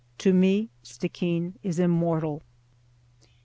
To me Stickeen is immortal.